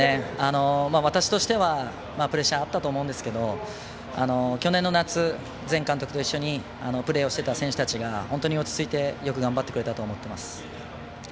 私としてはプレッシャーはあったと思うんですが去年の夏、前監督と一緒にプレーをしていた選手たちが本当に落ち着いてよく頑張ってくれたと思っています。